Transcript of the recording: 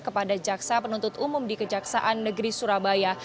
kepada jaksa penuntut umum di kejaksaan negeri surabaya